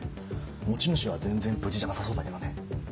持ち主は全然無事じゃなさそうだけどね。